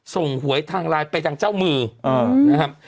ส่งหวยทางรายไปจากเจ้ามือเออนะครับ